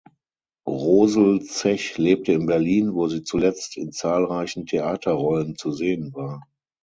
Rosel Zech lebte in Berlin, wo sie zuletzt in zahlreichen Theaterrollen zu sehen war.